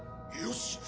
よし！